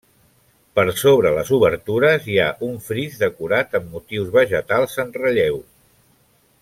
Per sobre les obertures hi ha un fris decorat amb motius vegetals en relleu.